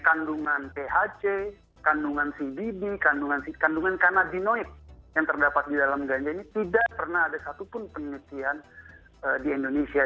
kandungan phc kandungan cdb kandungan kanadinoid yang terdapat di dalam ganja ini tidak pernah ada satupun penelitian di indonesia